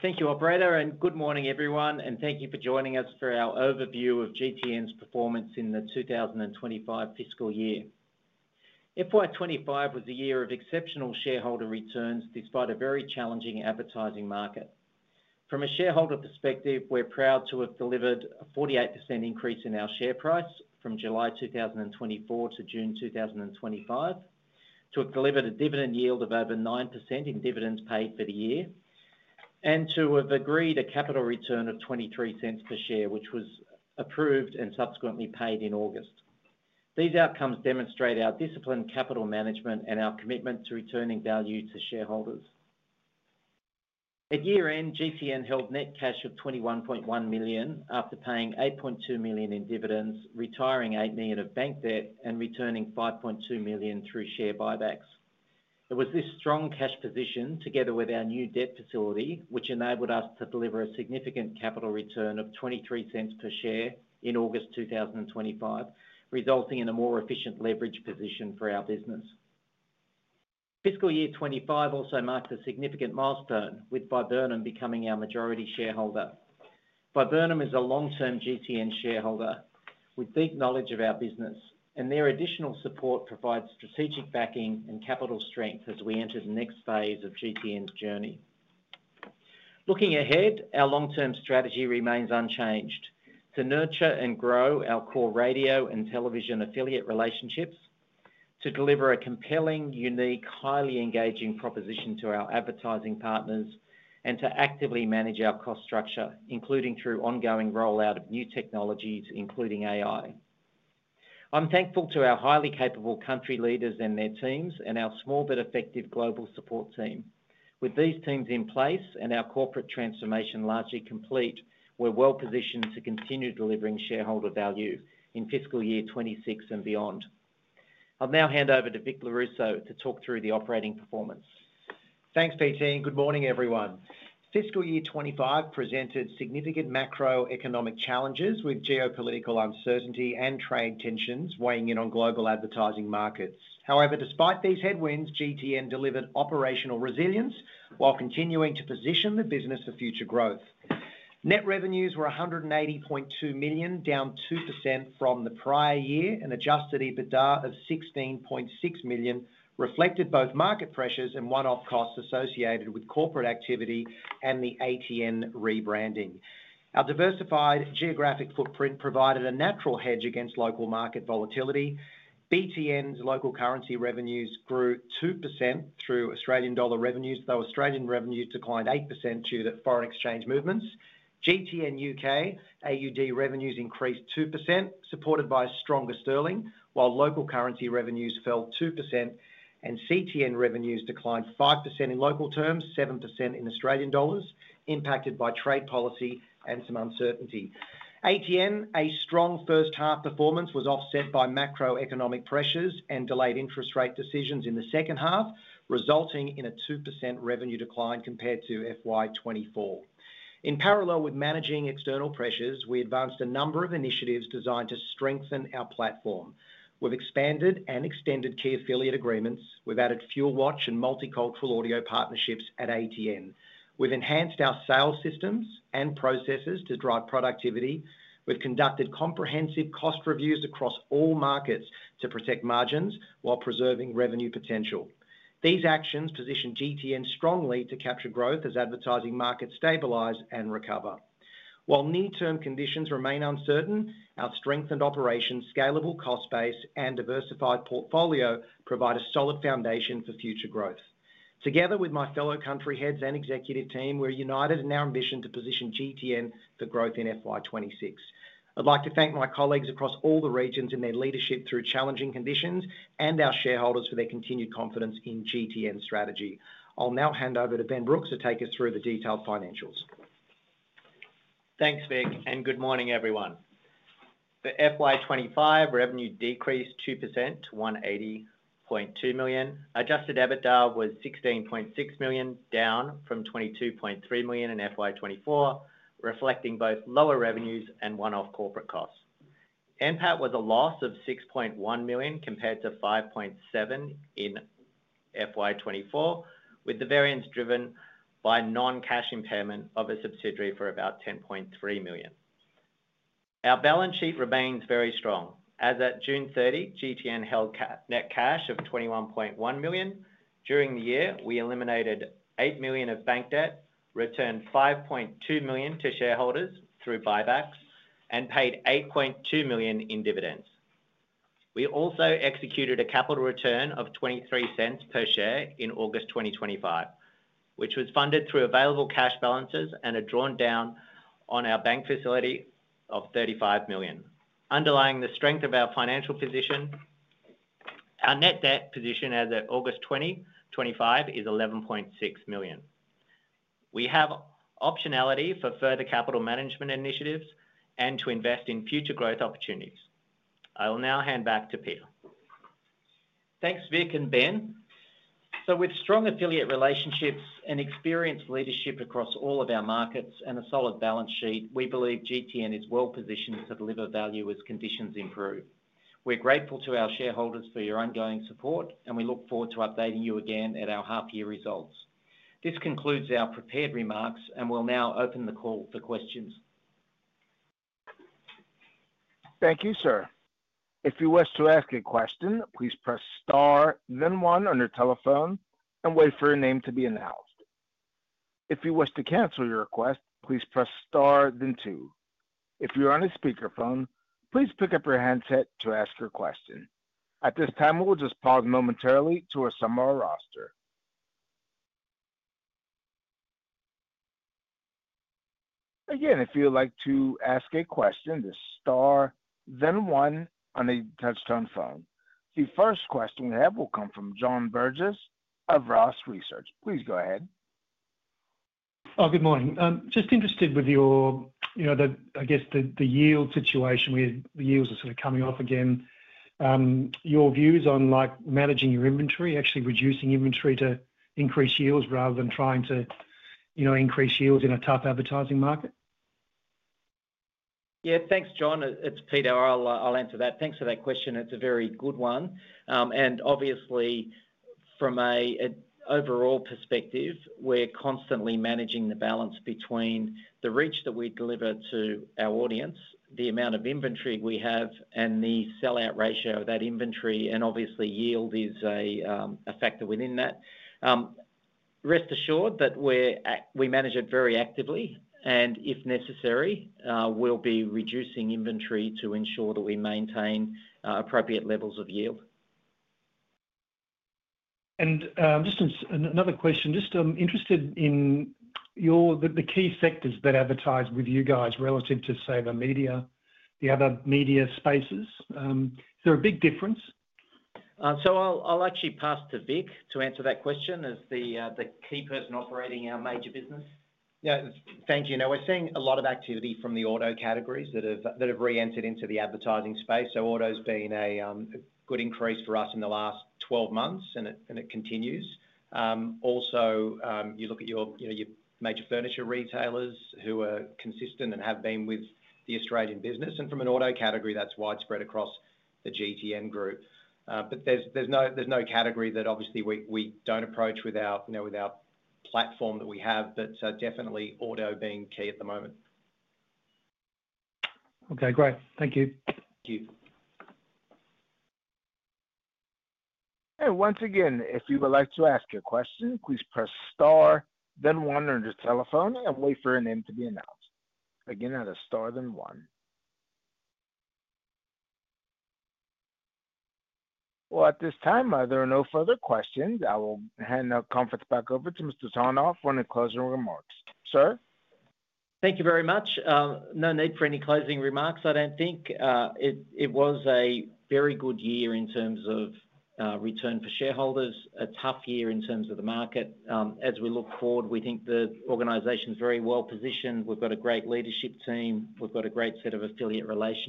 Thank you, operator, and good morning, everyone, and thank you for joining us for our overview of GTN's performance in the 2025 fiscal year. FY 2025 was a year of exceptional shareholder returns despite a very challenging advertising market. From a shareholder perspective, we're proud to have delivered a 48% increase in our share price from July 2024-June 2025, to have delivered a dividend yield of over 9% in dividends paid for the year, and to have agreed a capital return of $0.23 per share, which was approved and subsequently paid in August. These outcomes demonstrate our disciplined capital management and our commitment to returning value to shareholders. At year-end, GTN held net cash of $21.1 million after paying $8.2 million in dividends, retiring $8 million of bank debt, and returning $5.2 million through share buybacks. It was this strong cash position, together with our new debt facility, which enabled us to deliver a significant capital return of $0.23 per share in August 2025, resulting in a more efficient leverage position for our business. Fiscal year 2025 also marked a significant milestone with Viburnum becoming our majority shareholder. Viburnum is a long-term GTN shareholder with deep knowledge of our business, and their additional support provides strategic backing and capital strength as we enter the next phase of GTN's journey. Looking ahead, our long-term strategy remains unchanged: to nurture and grow our core radio and television affiliate relationships, to deliver a compelling, unique, highly engaging proposition to our advertising partners, and to actively manage our cost structure, including through ongoing rollout of new technologies, including AI. I'm thankful to our highly capable country leaders and their teams, and our small but effective global support team. With these teams in place and our corporate transformation largely complete, we're well-positioned to continue delivering shareholder value in fiscal year 2026 and beyond. I'll now hand over to Vic Lorusso to talk through the operating performance. Thanks, PT. Good morning, everyone. Fiscal year 2025 presented significant macroeconomic challenges with geopolitical uncertainty and trade tensions weighing in on global advertising markets. However, despite these headwinds, GTN delivered operational resilience while continuing to position the business for future growth. Net revenues were $180.2 million, down 2% from the prior year, and an adjusted EBITDA of $16.6 million reflected both market pressures and one-off costs associated with corporate activity and the ATN rebranding. Our diversified geographic footprint provided a natural hedge against local market volatility. BTN's local currency revenues grew 2% through Australian dollar revenues, though Australian revenue declined 8% due to FX movements. GTN U.K., AUD revenues increased 2%, supported by stronger sterling, while local currency revenues fell 2% and CTN revenues declined 5% in local terms, 7% in Australian dollars, impacted by trade policy and some uncertainty. ATN's strong first half performance was offset by macroeconomic pressures and delayed interest rate decisions in the second half, resulting in a 2% revenue decline compared to FY 2024. In parallel with managing external pressures, we advanced a number of initiatives designed to strengthen our platform. We've expanded and extended key affiliate agreements, we've added FuelWatch and multicultural audio partnerships at ATN, we've enhanced our sales systems and processes to drive productivity, we've conducted comprehensive cost reviews across all markets to protect margins while preserving revenue potential. These actions position GTN strongly to capture growth as advertising markets stabilize and recover. While near-term conditions remain uncertain, our strengthened operations, scalable cost base, and diversified portfolio provide a solid foundation for future growth. Together with my fellow country heads and executive team, we're united in our ambition to position GTN for growth in FY 2026. I'd like to thank my colleagues across all the regions in their leadership through challenging conditions and our shareholders for their continued confidence in GTN's strategy. I'll now hand over to Ben Brooks to take us through the detailed financials. Thanks, Vic, and good morning, everyone. For FY 2025, revenue decreased 2% to $180.2 million. Adjusted EBITDA was $16.6 million, down from $22.3 million in FY 2024, reflecting both lower revenues and one-off corporate costs. NPAT was a loss of $6.1 million compared to $5.7 million in FY 2024, with the variance driven by non-cash impairment of a subsidiary for about $10.3 million. Our balance sheet remains very strong. As at June 30, GTN held net cash of $21.1 million. During the year, we eliminated $8 million of bank debt, returned $5.2 million to shareholders through buybacks, and paid $8.2 million in dividends. We also executed a capital return of $0.23 per share in August 2025, which was funded through available cash balances and a drawdown on our bank facility of $35 million. Underlying the strength of our financial position, our net debt position as of August 2025 is $11.6 million. We have optionality for further capital management initiatives and to invest in future growth opportunities. I will now hand back to Peter. Thanks, Vic and Ben. With strong affiliate relationships and experienced leadership across all of our markets and a solid balance sheet, we believe GTN is well-positioned to deliver value as conditions improve. We're grateful to our shareholders for your ongoing support, and we look forward to updating you again at our half-year results. This concludes our prepared remarks, and we'll now open the call for questions. Thank you, sir. If you wish to ask a question, please press Star, then one on your telephone, and wait for your name to be announced. If you wish to cancel your request, please press Star, then two. If you're on a speakerphone, please pick up your handset to ask your question. At this time, we will just pause momentarily to assemble our roster. Again, if you would like to ask a question, just Star, then one on a touch-tone phone. The first question we have will come from John Burgess of Ross Research. Please go ahead. Good morning. I'm just interested with your, you know, I guess the yield situation where the yields are sort of coming off again. Your views on like managing your inventory, actually reducing inventory to increase yields rather than trying to, you know, increase yields in a tough advertising market? Yeah, thanks, John. It's Peter. I'll answer that. Thanks for that question. It's a very good one. Obviously, from an overall perspective, we're constantly managing the balance between the reach that we deliver to our audience, the amount of inventory we have, and the sell-out ratio of that inventory. Yield is a factor within that. Rest assured that we manage it very actively, and if necessary, we'll be reducing inventory to ensure that we maintain appropriate levels of yield. I'm interested in the key sectors that advertise with you guys relative to, say, the other media spaces. Is there a big difference? I'll actually pass to Vic to answer that question as the key person operating our major business. Thank you. We're seeing a lot of activity from the auto categories that have re-entered into the advertising space. Auto's been a good increase for us in the last 12 months, and it continues. Also, you look at your major furniture retailers who are consistent and have been with the Australian business, and from an auto category, that's widespread across the GTN group. There's no category that we don't approach with our platform that we have, but definitely auto being key at the moment. Okay, great. Thank you. Thank you. If you would like to ask a question, please press Star, then one on your telephone, and wait for your name to be announced. Again, Star, then one. At this time, there are no further questions. I will hand the conference back over to Mr. Tonagh for any closing remarks, sir. Thank you very much. No need for any closing remarks, I don't think. It was a very good year in terms of return for shareholders, a tough year in terms of the market. As we look forward, we think the organization is very well-positioned. We've got a great leadership team, we've got a great set of affiliate agreements,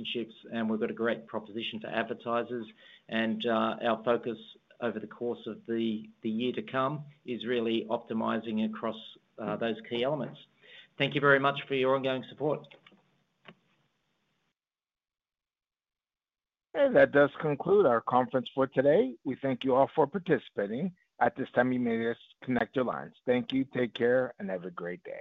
and we've got a great proposition to advertisers. Our focus over the course of the year to come is really optimizing across those key elements. Thank you very much for your ongoing support. That does conclude our conference for today. We thank you all for participating. At this time, you may connect your lines. Thank you. Take care and have a great day.